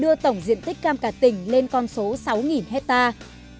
đưa tổng diện tích cam cả tỉnh lên con số sáu hectare